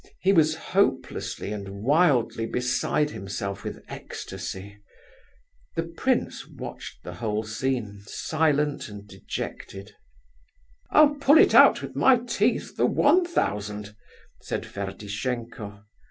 He was hopelessly and wildly beside himself with ecstasy. The prince watched the whole scene, silent and dejected. "I'll pull it out with my teeth for one thousand," said Ferdishenko.